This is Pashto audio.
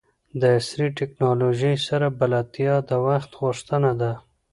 د عصري ټکنالوژۍ سره بلدتیا د وخت غوښتنه ده.